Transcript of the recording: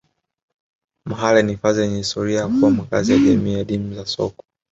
mahale ni hifadhi yenye historia ya kuwa makazi ya jamii adimu za sokwe